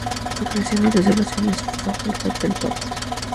Su creación y disolución es facultad del papa.